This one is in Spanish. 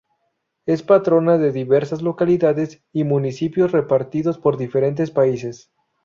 Es patrona de diversas localidades y municipios repartidos por diferentes países.